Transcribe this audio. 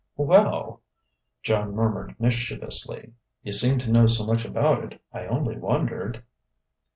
"Well," Joan murmured mischievously, "you seem to know so much about it. I only wondered...."